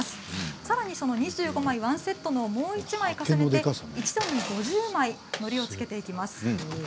さらに２５枚１セットのもう１枚重ねて、１段に５０枚のりを付けていきます。